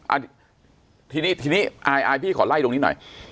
อ่ะทีนี้ทีนี้อายอายพี่ขอไล่ตรงนี้หน่อย